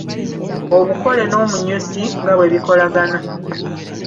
Obukole n’omunyusi nga bwe bikolagana